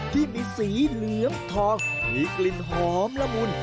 ที่มีสีเหลืองทองมีกลิ่นหอมละมุน